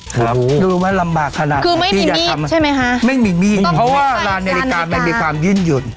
ครับดูว่าลำบากขนาดนั้นคือไม่มีมีดใช่ไหมฮะไม่มีมีดเพราะว่าร้านนาฬิกามันมีความยื่นหยุ่น